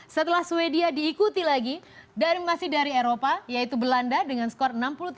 setelah swedia diikuti lagi masih dari eropa yaitu belanda dengan skor enam puluh tiga